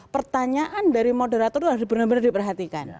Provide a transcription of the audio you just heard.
pertanyaan dari moderator itu harus benar benar diperhatikan